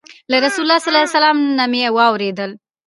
له رسول الله صلى الله عليه وسلم نه مي واورېدل